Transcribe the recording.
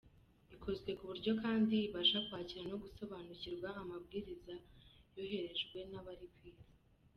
Ikozwe ku buryo kandi ibasha kwakira no gusobanukirwa amabwiriza yoherejwe n’abari ku Isi.